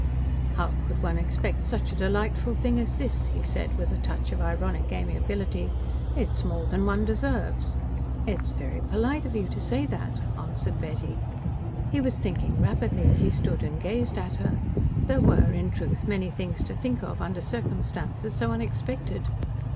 "How could one expect such a delightful thing as this?" he said, with a touch of ironic amiability. "It is more than one deserves." "It is very polite of you to say that," answered Betty. He was thinking rapidly as he stood and gazed at her. There were, in truth, many things to think of under circumstances so unexpected.